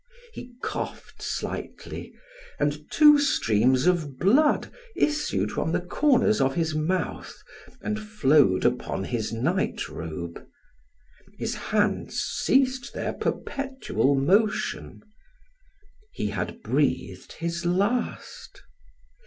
He coughed slightly, and two streams of blood issued from the corners of his mouth and flowed upon his night robe; his hands ceased their perpetual motion; he had breathed his last.